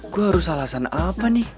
gue harus alasan apa nih